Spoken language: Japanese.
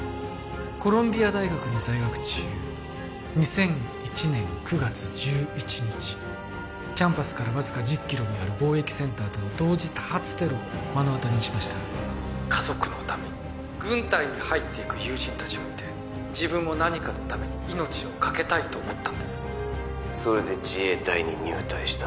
コロンビア大学に在学中２００１年９月１１日キャンパスからわずか１０キロにある貿易センターでの同時多発テロを目の当たりにしました家族のために軍隊に入っていく友人達を見て自分も何かのために命をかけたいと思ったんですそれで自衛隊に入隊した